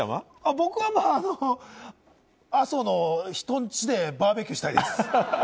僕はまぁ、人ん家でバーベキューしたいです。